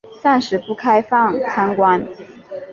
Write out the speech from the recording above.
暂时不开放参观